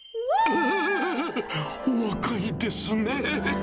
お若いですね。